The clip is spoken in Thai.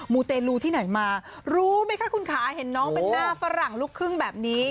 ูเตลูที่ไหนมารู้ไหมคะคุณค่ะเห็นน้องเป็นหน้าฝรั่งลูกครึ่งแบบนี้